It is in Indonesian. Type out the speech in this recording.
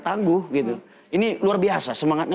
tangguh gitu ini luar biasa semangatnya